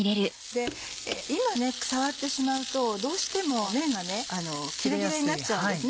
今触ってしまうとどうしても麺が切れ切れになっちゃうんです。